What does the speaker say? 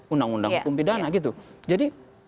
undang undang hukum pidana gitu jadi